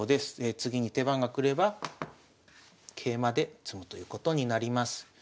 次に手番が来れば桂馬で詰むということになります。